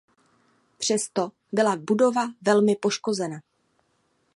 Přesto byla budova velmi poškozena.